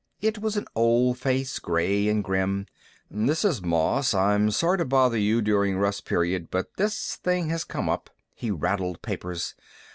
It was an old face, gray and grim. "This is Moss. I'm sorry to bother you during Rest Period, but this thing has come up." He rattled papers.